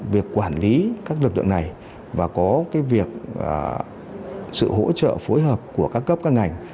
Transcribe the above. việc quản lý các lực lượng này và có việc sự hỗ trợ phối hợp của các cấp các ngành